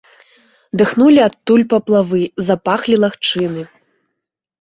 Дыхнулі адтуль паплавы, запахлі лагчыны.